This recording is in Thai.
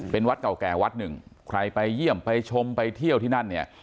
เป็นวัดเก่าแก่วัดหนึ่งใครไปเยี่ยมไปชมไปเที่ยวที่นั่นเนี่ย